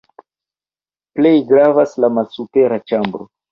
Plej gravas la malsupera ĉambro.